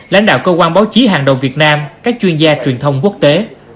lãnh đạo cơ quan báo chí hàng đầu việt nam các chuyên gia truyền thông quốc tế